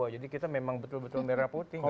jadi kita memang betul betul merah putih